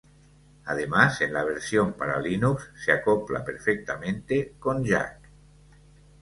Además en la versión para linux, se acopla perfectamente con jack.